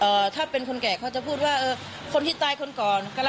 เธอก็เชื่อว่ามันคงเป็นเรื่องความเชื่อที่บรรดองนำเครื่องเส้นวาดผู้ผีปีศาจเป็นประจำ